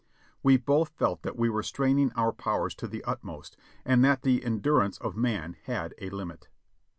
We both felt that we were straining our powers to the utmost, and that the endurance of man had a limit.